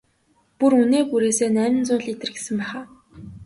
Бүр үнээ бүрээсээ найман зуун литр гэсэн байх аа?